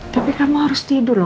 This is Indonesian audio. tapi kamu harus tidur loh